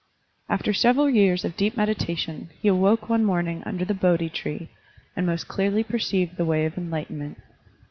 After several years of deep meditation he awoke one morning tmder the Bodhi tree and most clearly perceived the way of enlightenment.